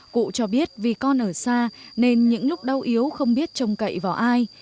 cụ cho biết vì con ở xa nên những lúc đau yếu không biết trông cậy vào ai